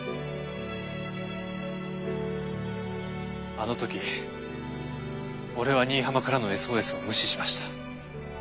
あの時俺は新浜からのＳＯＳを無視しました。